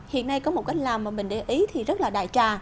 hiện nay có một cách làm mà mình để ý thì rất là đại trà